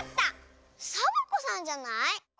サボ子さんじゃない？